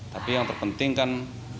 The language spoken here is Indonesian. tapi yang terpenting kan